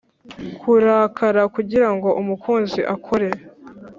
kurakara kugirango umukunzi akore;